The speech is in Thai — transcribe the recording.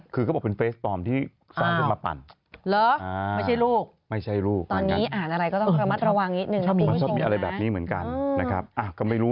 คือก็บอกเป็นเฟซตอมที่สร้องขึ้นมาปั่น